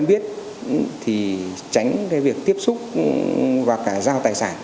về việc tiếp xúc và giao tài sản